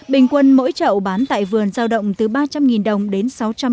bình quân mỗi chậu bán tại vườn giao động từ ba trăm linh đồng đến sáu trăm năm mươi